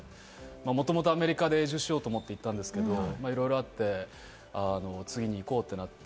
もともとアメリカで永住しようと思っていたんですけれども、いろいろあって、次に行こうってなって。